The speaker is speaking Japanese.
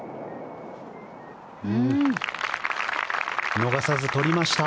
逃さず取りました。